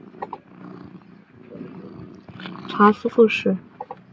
官至按察司副使。